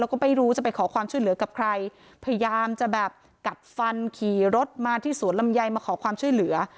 แล้วก็ไม่รู้จะไปขอความช่วยเหลือกับใครพยายามจะแบบกัดฟันขี่รถมาที่สวนลำไยมาขอความช่วยเหลือ